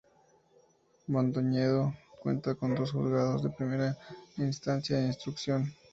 Mondoñedo cuenta con dos Juzgados de Primera Instancia e Instrucción.